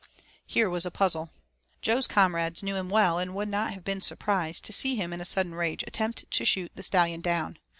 Here was a puzzle. Jo's comrades knew him well and would not have been surprised to see him in a sudden rage attempt to shoot the Stallion down.